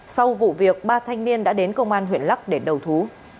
sau vụ việc ba thanh niên đã đến công an huyện lắc để đầu thú